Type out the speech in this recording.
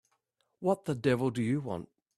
What the devil do you want?